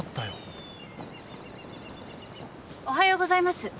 おはようございます。